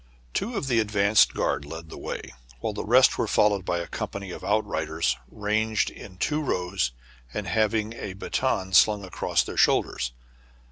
Two of the advance guard led the way ; while the rest were followed by a company of outriders, ranged in two rows, and having a bâton slung across their shoulders.